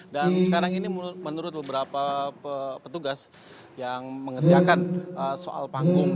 dan sekarang ini menurut beberapa petugas yang mengerjakan soal panggung